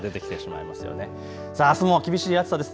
あすも厳しい暑さです。